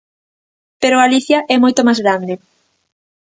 Pero Galicia é moito máis grande.